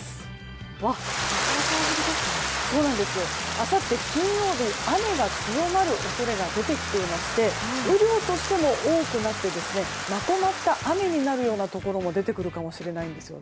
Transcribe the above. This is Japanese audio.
あさって金曜日は雨が強まる恐れが出てきていまして雨量としても多くなってきてまとまった雨になるところも出てくるかもしれません。